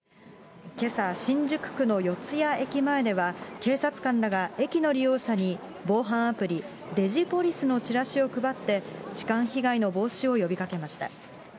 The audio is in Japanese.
けさ、新宿区の四ツ谷駅前では、警察官らが駅の利用者に、防犯アプリ、デジポリスのチラシを配って、痴漢被害の防止を呼びかけました。